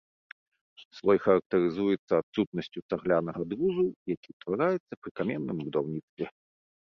Слой характарызуецца адсутнасцю цаглянага друзу, які ўтвараецца пры каменным будаўніцтве.